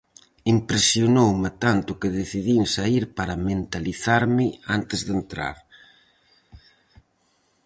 Impresionoume tanto que decidín saír para mentalizarme antes de entrar.